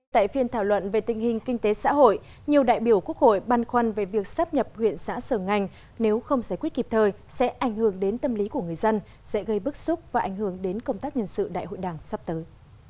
tại phiên thảo luận về tình hình kinh tế xã hội nhiều đại biểu quốc hội băn khoăn về việc sắp nhập huyện xã sở ngành nếu không giải quyết kịp thời sẽ ảnh hưởng đến tâm lý của người dân sẽ gây bức xúc và ảnh hưởng đến công tác nhân sự đại hội đảng sắp tới